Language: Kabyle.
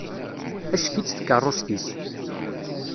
Acekk-itt tkerrust-is.